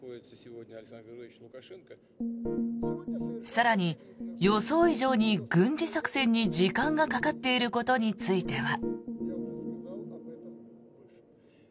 更に、予想以上に軍事作戦に時間がかかっていることについては。